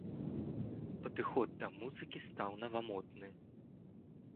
Падыход да музыкі стаў навамодны.